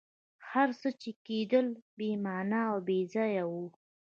هر څه چي کېدل بي معنی او بېځایه وه.